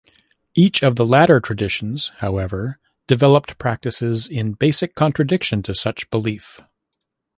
Each of the latter traditions, however, developed practices in basic contradiction to such belief.